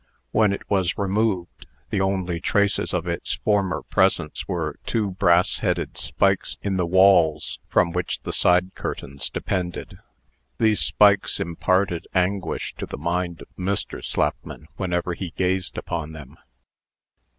When it was removed, the only traces of its former presence were two brass headed spikes in the walls, from which the side curtains depended. These spikes imparted anguish to the mind of Mr. Slapman whenever he gazed upon them.